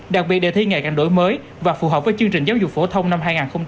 đặc biệt đề thi ngày càng đổi mới và phù hợp với chương trình giáo dục phổ thông năm hai nghìn hai mươi